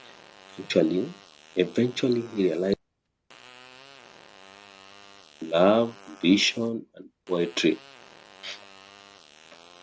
Eventually, he realizes that they are representative of Love, Ambition, and Poetry.